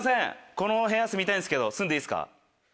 この部屋住みたいんですけど住んでいいですか？